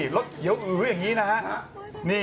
รถเหยียวอย่างงี้นะฮะ